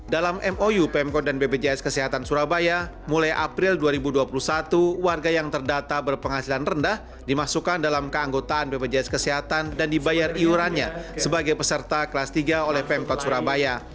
dalam mou pemkot dan bpjs kesehatan surabaya mulai april dua ribu dua puluh satu warga yang terdata berpenghasilan rendah dimasukkan dalam keanggotaan bpjs kesehatan dan dibayar iurannya sebagai peserta kelas tiga oleh pemkot surabaya